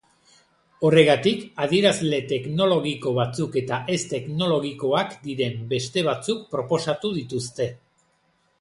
Horregatik, adierazle teknologiko batzuk eta ez-teknologikoak diren beste batzuk proposatu dituzte.